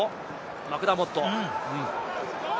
マクダーモット。